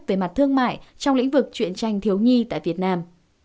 về mặt thương mại trong lĩnh vực chuyện tranh thiếu nhi tại việt nam